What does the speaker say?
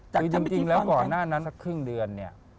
จริงแล้วก่อนหน้านั้นสักครึ่งเดือน